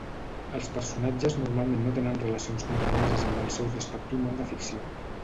Els personatges normalment no tenen relacions compromeses amb el seu respectiu món de ficció.